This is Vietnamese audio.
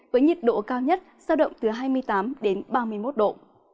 với nhiệt độ cao nhất sao động từ hai mươi tám ba mươi một độ